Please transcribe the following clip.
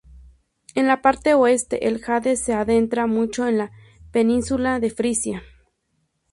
En la parte oeste, el Jade se adentra mucho en la península de Frisia.